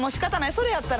それやったらね